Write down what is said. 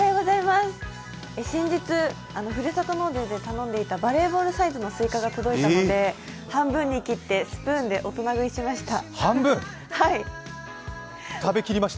先日、ふるさと納税で頼んでいたバレーボールサイズのすいかが届いたので半分に切ってスプーンで大人食いしました。